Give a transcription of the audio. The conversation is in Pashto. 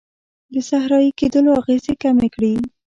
د صحرایې کیدلو اغیزې کمې کړي.